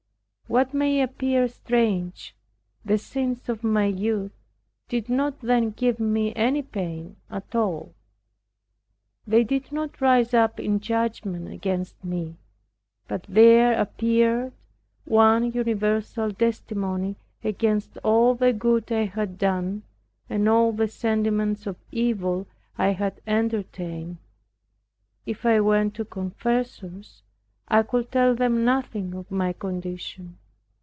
What may appear strange, the sins of my youth did not then give me any pain at all. They did not rise up in judgment against me, but there appeared one universal testimony against all the good I had done, and all the sentiments of evil I had entertained. If I went to confessors, I could tell them nothing of my condition.